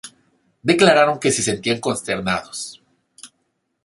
declararon que se sentían consternados